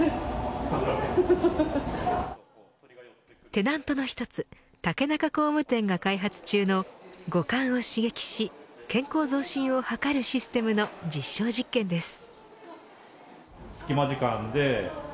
テナントの１つ竹中工務店が開発中の五感を刺激し健康増進を図るシステムの実証実験です。